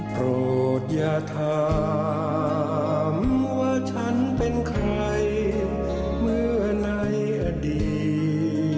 โกรธอย่าถามว่าฉันเป็นใครเมื่อในอดีต